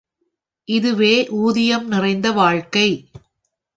இதுவே ஊதியம் நிறைந்த வாழ்க்கை.